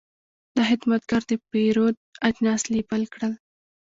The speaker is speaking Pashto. دا خدمتګر د پیرود اجناس لیبل کړل.